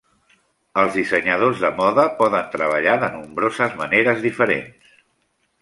Els dissenyadors de moda poden treballar de nombroses maneres diferents.